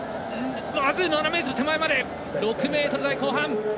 ７ｍ手前まで６ｍ台後半。